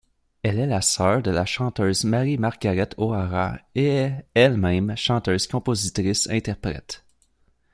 Elle est la sœur de la chanteuse Mary Margaret O'Hara et est elle-même chanteuse-compositrice-interprète.